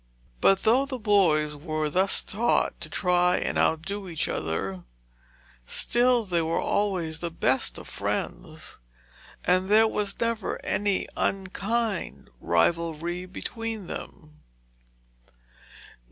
But though the boys were thus taught to try and outdo each other, still they were always the best of friends, and there was never any unkind rivalry between them.